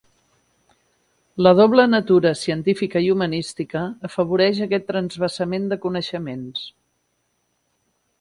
La doble natura, científica i humanística, afavoreix aquest transvasament de coneixements.